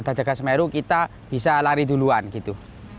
kalau ada jaga semeru kita bisa lari duluan gitu